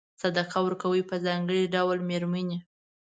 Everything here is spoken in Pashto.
صدقه ورکوي په ځانګړي ډول مېرمنې.